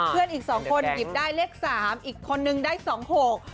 อีกสองคนหยิบได้เลขสามอีกคนนึงได้สองหก